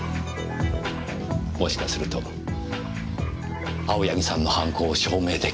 もしかすると青柳さんの犯行を証明出来るかもしれません。